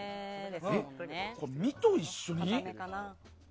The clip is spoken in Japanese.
身と一緒に？